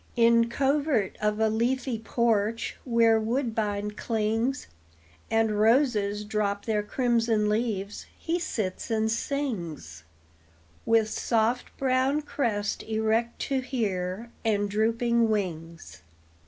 In covert of a leafy porch, Where woodbine clings, And roses drop their crimson leaves, He sits and sings; With soft brown crest erect to hear, And drooping wings.